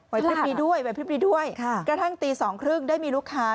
ไว้พริบดีด้วยกระทั่งตี๒๓๐ได้มีลูกค้า